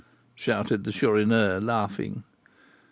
shouted the Chourineur, laughing.